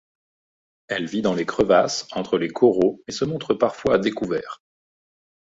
Elle vit dans les crevasses entre les coraux mais se montre parfois à découvert.